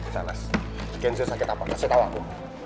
sanas kenzo sakit apa kasih tahu aku